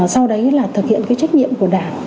sau đấy là thực hiện cái trách nhiệm của đảng